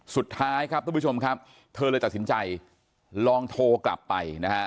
สุดท้ายครับทุกผู้ชมครับเธอเลยตัดสินใจลองโทรกลับไปนะฮะ